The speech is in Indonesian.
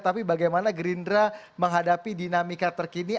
tapi bagaimana gerindra menghadapi dinamika terkini